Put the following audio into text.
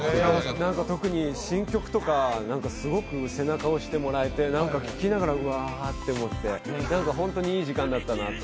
特に新曲とか、すごく背中押してもらえて聴きながら、うわーって思って本当にいい時間だったなと。